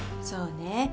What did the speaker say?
そうね。